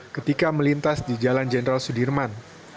ketika melintas di jalan jenderal sudirman